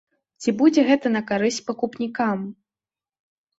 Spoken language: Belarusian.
Ці будзе гэта на карысць пакупнікам?